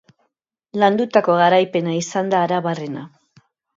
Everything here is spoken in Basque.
Landutako garaipena izan da arabarrena.